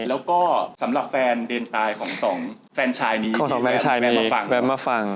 แล้วก็สำหรับแฟนเดนไทของสองฟันชายนี้แบบมาฟัง